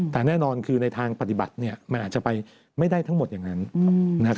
แต่แน่นอนคือในทางปฏิบัติเนี่ยมันอาจจะไปไม่ได้ทั้งหมดอย่างนั้นนะครับ